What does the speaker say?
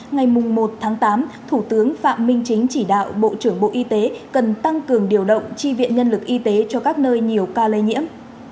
ngày một tháng tám thủ tướng phạm minh chính chỉ đạo bộ trưởng bộ y tế cần tăng cường điều động tri viện nhân lực y tế cho các nơi nhiều ca lây nhiễm